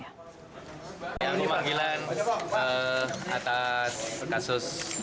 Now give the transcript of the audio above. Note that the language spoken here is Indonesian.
yang dimaklumkan atas kasus